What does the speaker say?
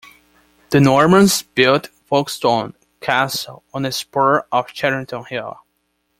The Normans built Folkestone Castle on a spur of Cheriton Hill.